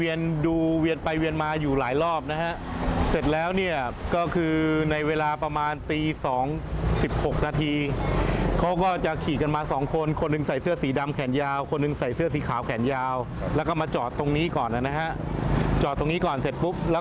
อยู่ตรงนี้ตรงนี้นะคะ